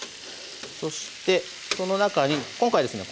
そしてその中に今回ですね